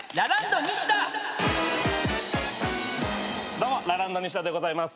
どうもラランドニシダでございます。